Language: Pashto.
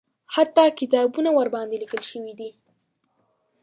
حتی کتابونه ورباندې لیکل شوي دي.